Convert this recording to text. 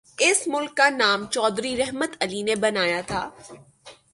اس ملک کا نام چوہدری رحمت علی نے بنایا تھا۔